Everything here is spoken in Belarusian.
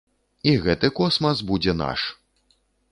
І гэты космас будзе наш!